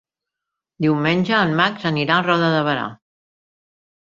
Diumenge en Max anirà a Roda de Berà.